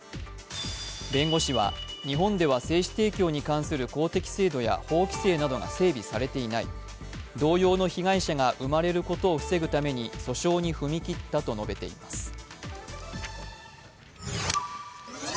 弁護士は、日本では精子提供に関する公的制度や法規制などが整備されていない同様の被害者が生まれることを防ぐために訴訟に踏み切ったと述べています。